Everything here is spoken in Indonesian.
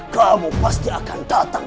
kamu pasti akan datang